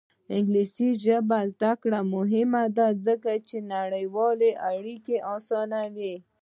د انګلیسي ژبې زده کړه مهمه ده ځکه چې نړیوالې اړیکې اسانوي.